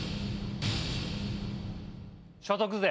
所得税。